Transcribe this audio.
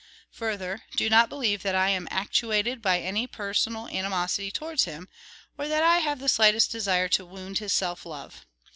Further, do not believe that I am actuated by any personal animosity towards him, or that I have the slightest desire to wound his self love.